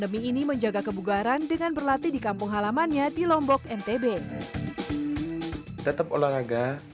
demi ini menjaga kebugaran dengan berlatih di kampung halamannya di lombok ntb tetap olahraga